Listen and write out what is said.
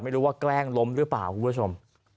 ไม่รู้ว่าแกล้งล้มหรือเปล่าคุณผู้ชม